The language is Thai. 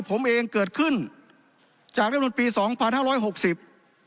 ผมเองเกิดขึ้นจากรัฐมนุนปีสองพันห้าร้อยหกสิบ